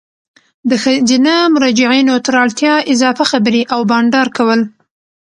د ښځینه مراجعینو تر اړتیا اضافي خبري او بانډار کول